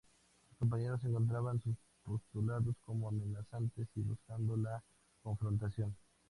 Sus compañeros encontraban sus postulados como amenazantes y buscando la confrontación.